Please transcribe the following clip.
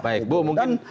baik bu mungkin